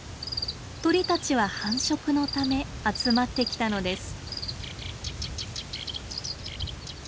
鳥たちは繁殖のため集まってきたのです。